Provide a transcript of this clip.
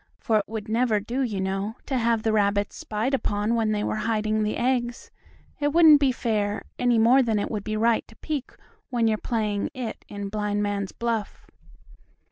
For it would never do, you know, to have the rabbits spied upon when they were hiding the eggs. It wouldn't be fair, any more than it would be right to peek when you're "it" in playing blind man's buff.